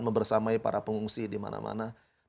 membersamai para pengungsi di mana mana